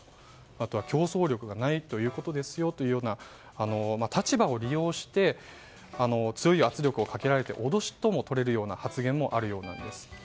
あとは、競争力がないということですよと立場を利用して強い圧力をかけられ脅しともとられる発言もあるようなんです。